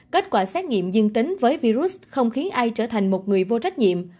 kết quả xét nghiệm dương tính với virus không khí ai trở thành một người vô trách nhiệm